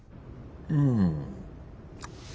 うん。